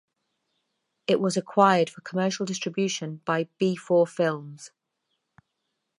It was acquired for commercial distribution by Be For Films.